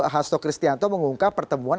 hasto kristianto mengungkap pertemuan